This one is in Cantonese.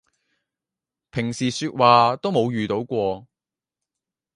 平時說話都冇遇到過